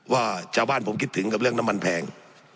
ว่าชาวบ้านผมคิดถึงกับเรื่องน้ำมันแพง